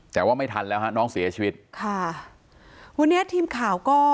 แต่ว่าไม่ทันแล้วฮะน้องเสียชีวิตค่ะวันนี้ทีมข่าวก็